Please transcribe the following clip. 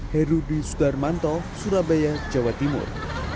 herudi sudarmanto surabaya jawa timur